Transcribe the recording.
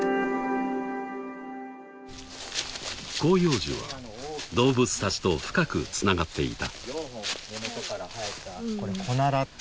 ［広葉樹は動物たちと深くつながっていた］